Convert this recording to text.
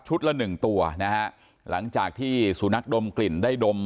ละหนึ่งตัวนะฮะหลังจากที่สุนัขดมกลิ่นได้ดม